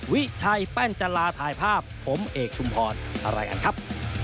วิชัยแป้นจัลลาถ่ายภาพผมเอกชุมพรถ่ายละกันครับ